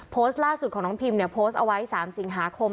โพสต์ล่าสุดของน้องพิมเนี่ยโพสต์เอาไว้๓สิงหาคม